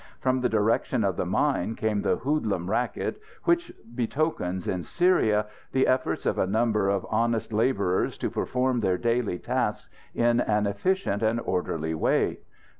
From the direction of the mine came the hoodlum racket which betokens, in Syria, the efforts of a number of honest labourers to perform their daily tasks in an efficient and orderly way.